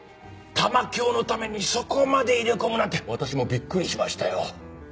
玉響のためにそこまで入れ込むなんて私もびっくりしましたよハハっ！